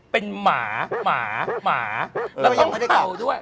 เป็นหมาหูออกเป้าก็เข้าด้วย